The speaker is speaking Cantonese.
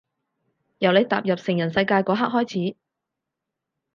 由你踏入成人世界嗰刻開始